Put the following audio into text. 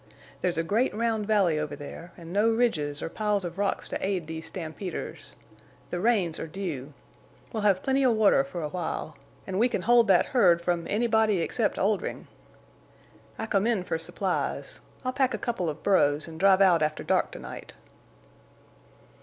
There's a great round valley over there, an' no ridges or piles of rocks to aid these stampeders. The rains are due. We'll hev plenty of water fer a while. An' we can hold thet herd from anybody except Oldrin'. I come in fer supplies. I'll pack a couple of burros an' drive out after dark to night."